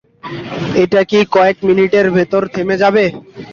এটা কি কয়েক মিনিটের ভেতর থেমে যাবে?